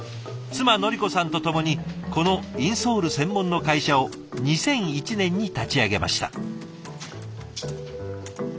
妻のり子さんとともにこのインソール専門の会社を２００１年に立ち上げました。